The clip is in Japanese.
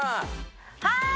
はい！